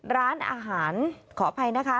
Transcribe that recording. ร้านอาหารขออภัยนะคะ